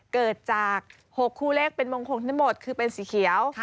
เกิดจาก๖คู่เลขเป็นมงคลทั้งหมดคือเป็นสีเขียว